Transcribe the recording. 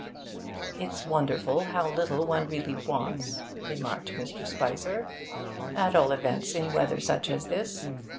'It's wonderful how little one really wants,' remarked Mr. Spicer, 'at all events in weather such as this.